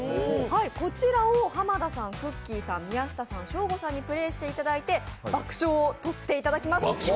こちらを濱田さん、くっきー！さん宮下さん、ショーゴさんにプレイしていただいて爆笑をとっていただきます。